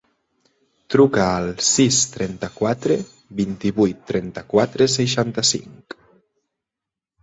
Truca al sis, trenta-quatre, vint-i-vuit, trenta-quatre, seixanta-cinc.